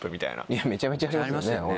めちゃめちゃありますよね